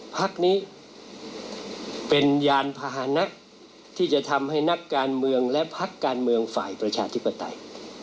พักนี้เป็นยานพาหนะที่จะทำให้นักการเมืองและพักการเมืองฝ่ายประชาธิปไตย